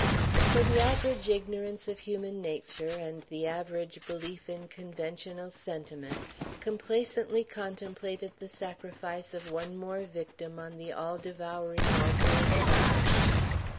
So the average ignorance of human nature, and the average belief in conventional sentiment, complacently contemplated the sacrifice of one more victim on the all devouring altar of Marriage!